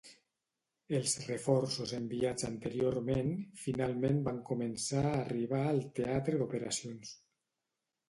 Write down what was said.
Els reforços enviats anteriorment finalment van començar a arribar al teatre d'operacions.